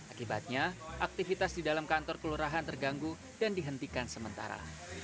akibatnya aktivitas di dalam kantor kelurahan terganggu dan dihentikan sementara